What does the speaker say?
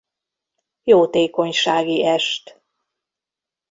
Jótékonysági est.